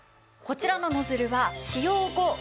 こちらのノズルは使用後